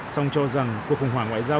song cho rằng cuộc khủng hoảng ngoại giao